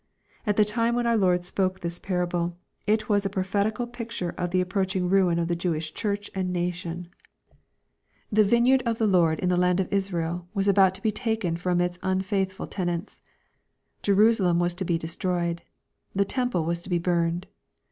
— At the time when our Lord spoke this parable, it was a prophetical picture of the approach ing ruin of the Jewish church and nation. The vineyard 328 EXPOSITORY THOUGHTS. of the Lord in the land of Israel, was ahout to be taken from its un&ithful tenants. Jerusalem was to be de stroyed. The temple was to be burned.